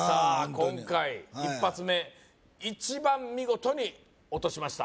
今回１発目一番見事にオトしました